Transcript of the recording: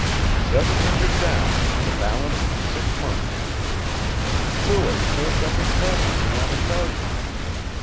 Seven hundred down and the balance in six months. Lewis served up his past to me on a charger.